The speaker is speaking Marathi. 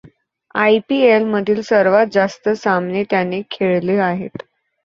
आय. पी. एल मधील सर्वात जास्त सामने त्याने खेळले आहेत.